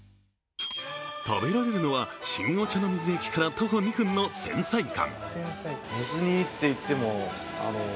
食べられるのは新御茶ノ水駅から徒歩２分の川菜館。